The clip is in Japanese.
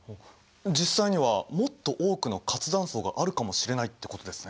実際にはもっと多くの活断層があるかもしれないってことですね。